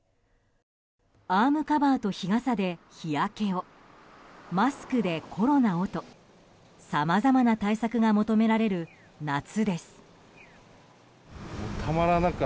アームカバーと日傘で日焼けをマスクでコロナをとさまざまな対策が求められる夏です。